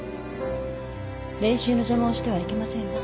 練習の邪魔をしてはいけませんわ。